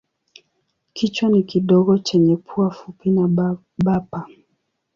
Kichwa ni kidogo chenye pua fupi na bapa.